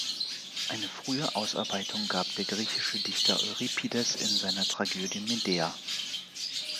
Eine frühe Ausarbeitung gab der griechische Dichter Euripides in seiner Tragödie "Medea".